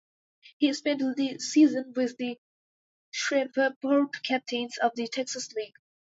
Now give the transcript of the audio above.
He spent the season with the Shreveport Captains of the Texas League.